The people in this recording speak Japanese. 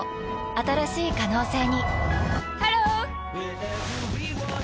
新しい可能性にハロー！